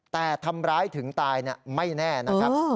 แต่ทำร้ายถึงตายไม่แน่นะครับ